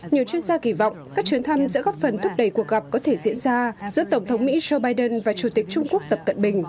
nhiều chuyên gia kỳ vọng các chuyến thăm sẽ góp phần thúc đẩy cuộc gặp có thể diễn ra giữa tổng thống mỹ joe biden và chủ tịch trung quốc tập cận bình